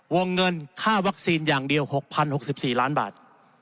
วงเงินค่าวัคซีนอย่างเดียว๖๐๖๔ล้านบาท